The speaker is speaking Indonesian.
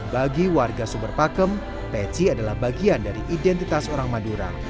bagi warga sumber pakem peci adalah bagian dari identitas orang madura